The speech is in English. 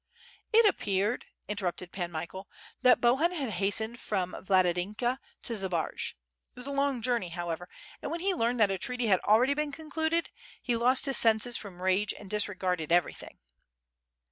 "It appeared," interrupted Pan Michael, "that Bohun had hastened from Yaladynka to Zbaraj. It was a long journey, however, and when he learned that a treaty had already been concluded, he lost his senses from rage and disregarded ever}' thing."